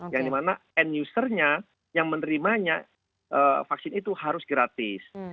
yang dimana end usernya yang menerimanya vaksin itu harus gratis